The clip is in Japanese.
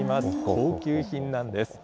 高級品なんです。